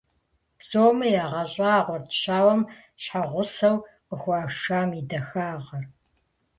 Псоми ягъэщӀагъуэрт щауэм щхьэгъусэу къыхуашам и дахагъэр.